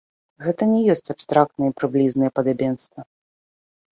Гэта не ёсць абстрактнае і прыблізнае падабенства.